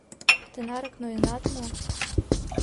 Тынарак ноенат мо?